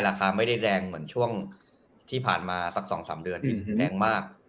ราคาไม่ได้แรงเหมือนช่วงที่ผ่านมาสัก๒๓เดือนที่แรงมาก